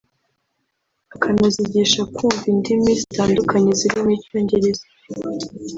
akanazigisha kwumva indimi zitandukanye zirimo Icyongereza